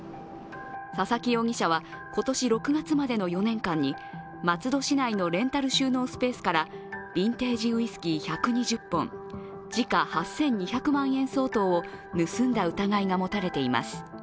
佐々木容疑者は今年６月までの４年間に松戸市内のレンタル収納スペースからビンテージウイスキー１２０本時価８２００万円相当を盗んだ疑いがもたれています。